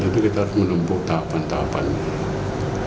untuk tahapan tahapan ini